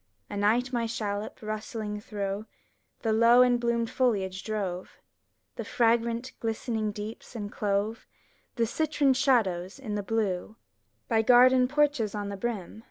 Anight my shallop, rustling through The low and bloomed foliage, drove The fragrant, glistening deeps, and clove The citron shadows in the blue: By garden porches on the brim.